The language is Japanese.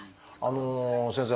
先生。